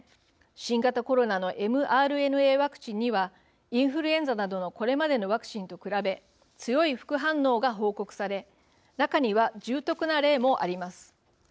新型コロナのｍＲＮＡワクチンにはインフルエンザなどのこれまでのワクチンと比べ強い副反応が報告され中には、重篤な例もあります。